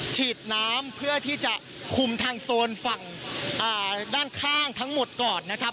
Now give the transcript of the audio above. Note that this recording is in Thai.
ฉีดน้ำเพื่อที่จะคุมทางโซนฝั่งด้านข้างทั้งหมดก่อนนะครับ